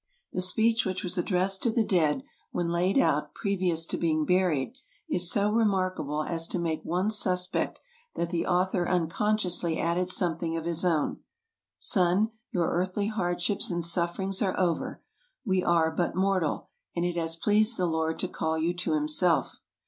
The speech which was addressed to the dead when laid out previous to being buried, is so remarkable as to make one suspect that the author unconsciously added something of his own :" Son, your earthly hardships and sufferings are over. We are but mortal, and it has pleased the Lord to call you to himself.